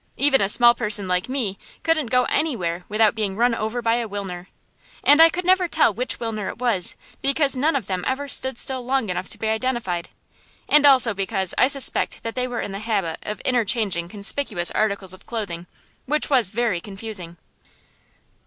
Even a small person like me couldn't go anywhere without being run over by a Wilner; and I could never tell which Wilner it was because none of them ever stood still long enough to be identified; and also because I suspected that they were in the habit of interchanging conspicuous articles of clothing, which was very confusing.